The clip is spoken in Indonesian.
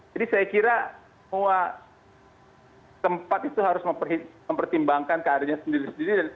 jadi saya kira semua tempat itu harus mempertimbangkan keadaannya sendiri sendiri